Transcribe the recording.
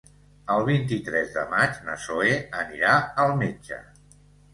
El vint-i-tres de maig na Zoè anirà al metge.